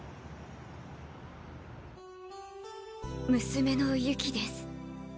娘のユキです。